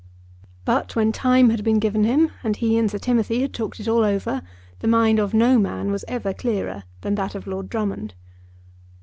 But when time had been given him, and he and Sir Timothy had talked it all over, the mind of no man was ever clearer than that of Lord Drummond.